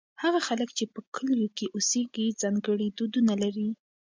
هغه خلک چې په کلو کې اوسېږي ځانګړي دودونه لري.